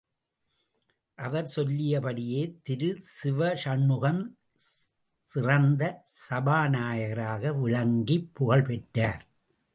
அவர் சொல்லியபடியே திரு சிவசண்முகம் சிறந்த சபாநாயகராக விளங்கிப் புகழ் பெற்றார்.